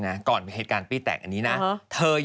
วันที่สุดท้าย